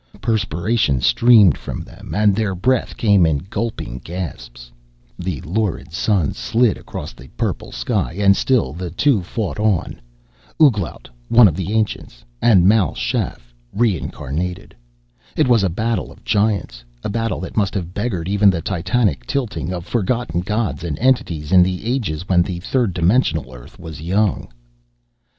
Perspiration streamed from them and their breath came in gulping gasps. The lurid sun slid across the purple sky and still the two fought on. Ouglat, one of the ancients, and Mal Shaff, reincarnated. It was a battle of giants, a battle that must have beggared even the titanic tilting of forgotten gods and entities in the ages when the third dimensional Earth was young.